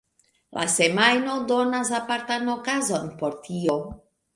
La Semajno donas apartan okazon por tio.